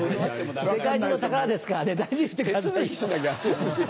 世界中の宝ですからね大事にしてくださいよ。